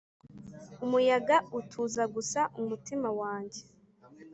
umuyaga utuza gusa umutima wanjye.